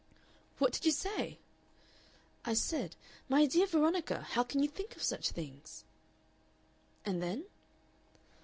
"What did you say?" "I said, 'My dear Veronica! how can you think of such things?'" "And then?"